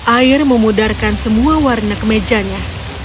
air memudarkan semua warna kemejanya